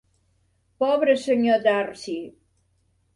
Pobre senyor Darcy!